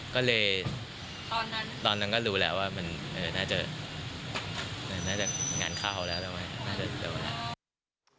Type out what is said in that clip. ก็เลยตอนนั้นก็รู้แล้วว่ามันน่าจะงานข้าวแล้วนะครับ